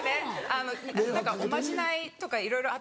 あの何かおまじないとかいろいろあって。